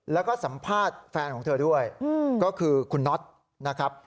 แล้วก็สัมภาษณ์แฟนของเธอด้วยก็คือคุณน็อตนะครับ